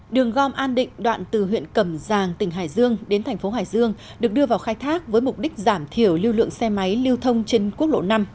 đường gom an định đoạn từ huyện cẩm giang tỉnh hải dương đến thành phố hải dương được đưa vào khai thác với mục đích giảm thiểu lưu lượng xe máy lưu thông trên quốc lộ năm